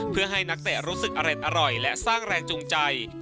เพื่อให้นักเตะรู้สึกอร่อยและสร้างแรงจูงใจ